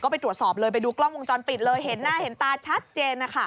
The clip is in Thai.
ไปตรวจสอบเลยไปดูกล้องวงจรปิดเลยเห็นหน้าเห็นตาชัดเจนนะคะ